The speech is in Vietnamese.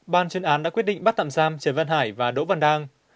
bang chiên án đã quyết định bắt tạm giam trần văn hải và đỗ văn đang